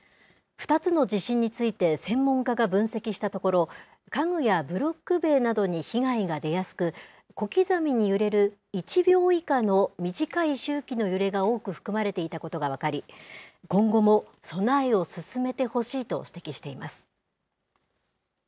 ２つの地震について専門家が分析したところ、家具やブロック塀などに被害が出やすく、小刻みに揺れる１秒以下の短い周期の揺れが多く含まれていたことが分かり、今後も備えを進めてほしいと指摘しています。